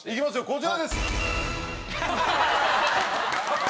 こちらです。